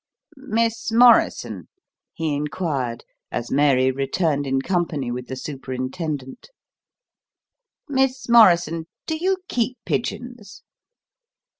"Miss Morrison," he inquired as Mary returned in company with the superintendent, "Miss Morrison, do you keep pigeons?"